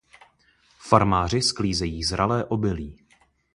Farmáři sklízejí zralé obilí.